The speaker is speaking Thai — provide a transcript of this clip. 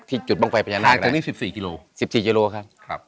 ที่จูดมังไฟพญานาคทางตรงนี้๑๔กิโล๑๔กิโลครับ